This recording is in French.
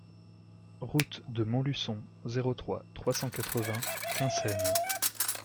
Route de Montluçon, zéro trois, trois cent quatre-vingts Quinssaines